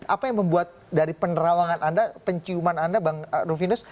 apa yang membuat dari penerawangan anda penciuman anda bang rufinus